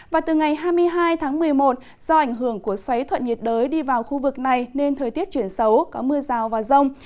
và từ ngày hai mươi hai tháng một mươi một do ảnh hưởng của xoáy thuận nhiệt đới đi vào khu vực này nên thời tiết chuyển xấu có mưa rào và rông